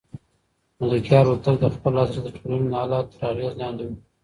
ملکیار هوتک د خپل عصر د ټولنیزو حالاتو تر اغېز لاندې و.